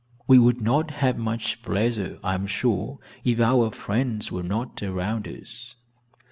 "We would not have much pleasure, I am sure, if our friends were not around us."